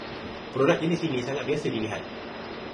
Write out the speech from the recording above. Produk jenis ini sangat biasa dilihat